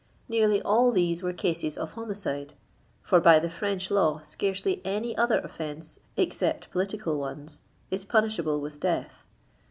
Nearly all these were cases of homicide, for by the French law soaicely any other offense, except political ones, is punishable with death.